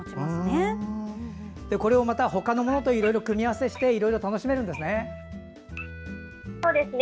これを、ほかのものと組み合わせしていろいろ楽しめるんですね。